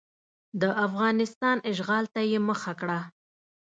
د افغانستان اشغال ته یې مخه کړه.